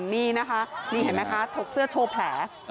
นี่นะคะเห็นมั้ยคะทกเสื้อโชว์แผล